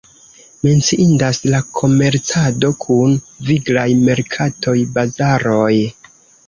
Menciindas la komercado kun viglaj merkatoj, bazaroj.